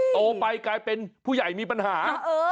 โตไปกลายเป็นผู้ใหญ่มีปัญหา